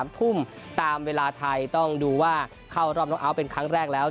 ๓ทุ่มตามเวลาไทยต้องดูว่าเข้ารอบนกอัลเป็นครั้งแรกแล้ว